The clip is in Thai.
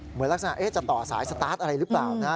เหมือนลักษณะจะต่อสายสตาร์ทอะไรหรือเปล่านะฮะ